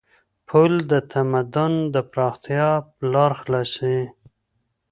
پل د تمدن د پراختیا لار خلاصوي.